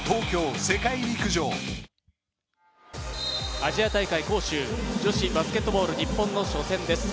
アジア大会・杭州女子バスケットボール日本の初戦です。